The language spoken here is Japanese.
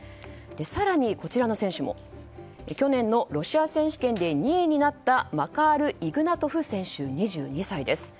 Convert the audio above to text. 更に、去年のロシア選手権で２位になったマカール・イグナトフ選手２２歳です。